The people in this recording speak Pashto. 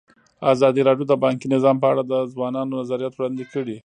ازادي راډیو د بانکي نظام په اړه د ځوانانو نظریات وړاندې کړي.